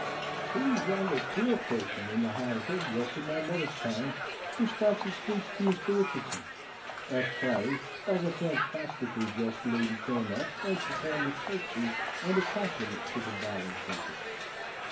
"Who is yonder queer person in the high headdress of my grandmother's time, who stops and speaks to Mr. Richardson?" asked Harry, as a fantastically dressed lady came up, and performed a curtsey and a compliment to the bowing printer.